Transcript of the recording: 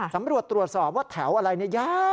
สำรวจตรวจสอบว่าแถวอะไรเนี่ยยาว